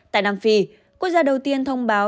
tại nam phi quốc gia đầu tiên thông báo